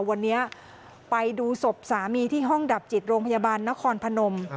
วันนี้ไปดูศพสามีที่ห้องดับจิตโรงพยาบาลนครพนม